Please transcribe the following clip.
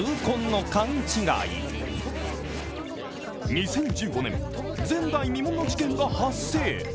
２０１５年、前代未聞の事件が発生。